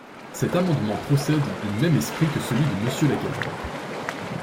Cet amendement procède du même esprit que celui de Monsieur Lagarde.